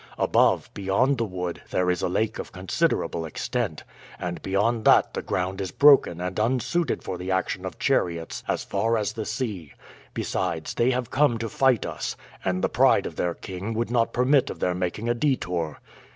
Above, beyond the wood, there is a lake of considerable extent, and beyond that the ground is broken and unsuited for the action of chariots as far as the sea. Besides, they have come to fight us, and the pride of their king would not permit of their making a detour.